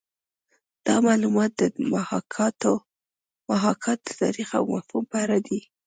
دا معلومات د محاکات د تاریخ او مفهوم په اړه دي